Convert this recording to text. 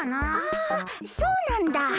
あそうなんだ。